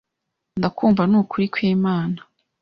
Ndakumva nukuri kwimana